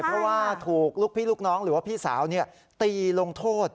เพราะว่าถูกลูกพี่ลูกน้องหรือว่าพี่สาวตีลงโทษ